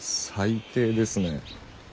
最低ですね。